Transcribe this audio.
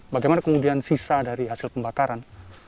bagaimana kemudian sisa dari hasil pembakaran